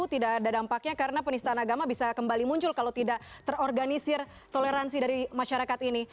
tidak ada dampaknya karena penistaan agama bisa kembali muncul kalau tidak terorganisir toleransi dari masyarakat ini